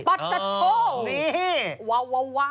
ปัจจัตโธนี่ว้าวว้าวว้าว